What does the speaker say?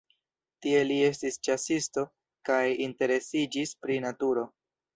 Tie li estis ĉasisto kaj interesiĝis pri naturo.